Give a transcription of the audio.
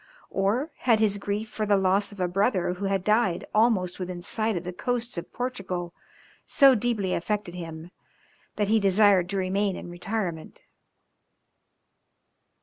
Or had his grief for the loss of a brother who had died almost within sight of the coasts of Portugal so deeply affected him, that he desired to remain in retirement?